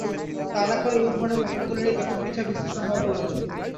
তা না-করে এই ধরনের ঘটনাগুলো নিয়ে ব্যাপক বিচার-বিশ্লেষণ হওয়া প্রয়োজন।